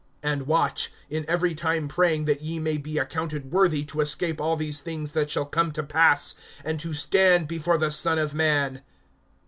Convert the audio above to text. (36)And watch, in every time praying that ye may be accounted worthy to escape all these things that shall come to pass, and to stand before the Son of man.